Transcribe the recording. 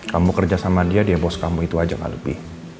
kamu kerja sama dia dia bos kamu itu aja gak lebih